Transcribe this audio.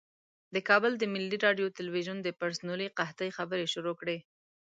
د کابل د ملي راډیو تلویزیون د پرسونلي قحطۍ خبرې شروع کړې.